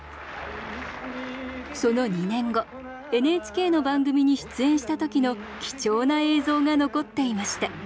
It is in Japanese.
その２年後ＮＨＫの番組に出演した時の貴重な映像が残っていました。